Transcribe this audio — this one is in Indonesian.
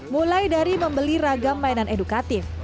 mulai dari membeli ragam mainan edukatif